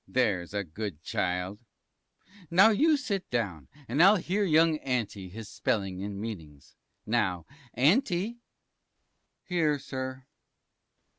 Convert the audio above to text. T. There's a good child now you sit down, and I'll hear young Anti his spelling and meanings. Now Anti. P. Here, sir.